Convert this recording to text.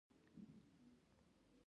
ایا زه باید ځمکنۍ توت وخورم؟